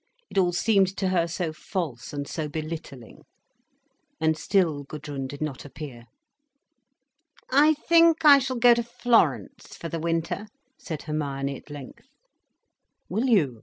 It all seemed to her so false and so belittling. And still Gudrun did not appear. "I think I shall go to Florence for the winter," said Hermione at length. "Will you?"